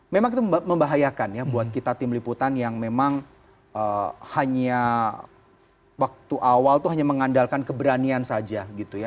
memang itu membahayakan ya buat kita tim liputan yang memang hanya waktu awal itu hanya mengandalkan keberanian saja gitu ya